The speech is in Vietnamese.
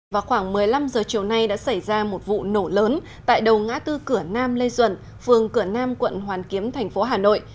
vào khoảng một mươi năm h chiều nay đã xảy ra một vụ nổ lớn tại đầu ngã tư cửa nam lê duẩn phường cửa nam quận hoàn kiếm thành phố hà nội